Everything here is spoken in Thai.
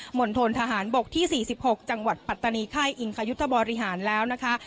หม่นโทนทหารบกที่สี่สิบหกจังหวัดปัตตานีไข้อิงคายุทธบริหารแล้วนะคะ